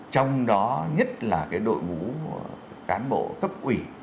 trong đó nhất là cái đội ngũ cán bộ cấp quỷ